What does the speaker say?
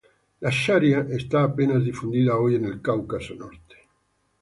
La "Sharia" está apenas difundida hoy en el Cáucaso Norte.